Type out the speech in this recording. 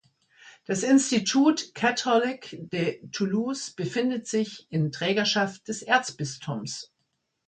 Das Institut Catholique de Toulouse befindet sich in Trägerschaft des Erzbistums.